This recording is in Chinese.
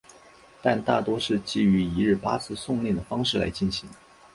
但大多是基于一日八次诵念的方式来进行。